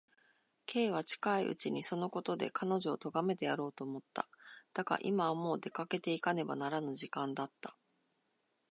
Ｋ は近いうちにそのことで彼女をとがめてやろうと思った。だが、今はもう出かけていかねばならぬ時間だった。